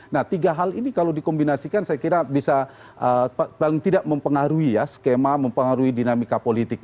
nah tiga hal ini kalau dikombinasikan saya kira bisa paling tidak mempengaruhi ya skema mempengaruhi dinamika politik